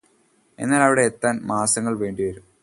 എന്നാല് അവിടെ എത്താൻ മാസങ്ങൾ വേണ്ടിവരും